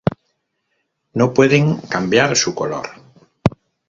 No pueden cambiar su color.